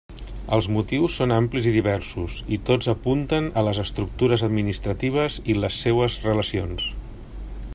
Els motius són amplis i diversos, i tots apunten a les estructures administratives i les seues relacions.